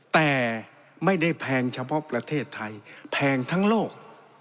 แต่ไม่ได้แพงเฉพาะประเทศไทยแพงทั้งโลก